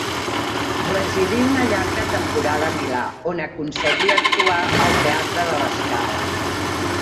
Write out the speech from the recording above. Residí una llarga temporada a Milà, on aconseguí actuar al teatre de la Scala.